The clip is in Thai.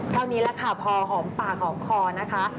เท่านี้แหละค่ะพอหอมปากหอมคอนะคะ